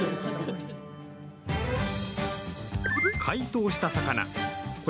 解凍した魚。